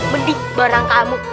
mendik barang kamu